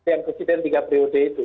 yang kecil dari tiga periode itu